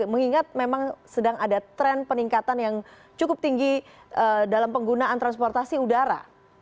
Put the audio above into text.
mengingat memang sedang ada tren peningkatan yang cukup tinggi dalam penggunaan transportasi udara